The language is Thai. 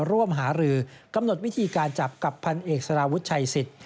ร่วมหารือกำหนดวิธีการจับกับพันเอกสารวุฒิชัยสิทธิ